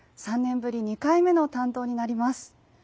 ３年ぶり２回目の担当になります。